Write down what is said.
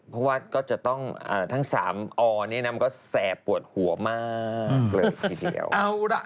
เพราะว่าก็จะต้องอ่าทั้งสามอ๋อเนี้ยน้ำก็แสบปวดหัวมากเลยทีเดียวเอาล่ะ